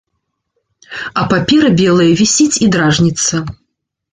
А папера белая вісіць і дражніцца.